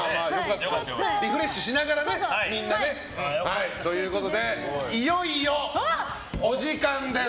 リフレッシュしながらね。ということでいよいよ、お時間です！